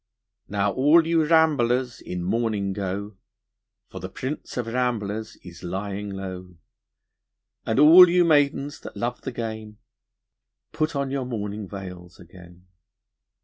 Now all you ramblers in mourning go, For the prince of ramblers is lying low, And all you maidens that love the game, Put on your mourning veils again.